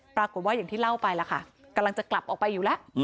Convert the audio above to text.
ปรากฏว่าอย่างที่เล่าไปล่ะค่ะกำลังจะกลับออกไปอยู่แล้ว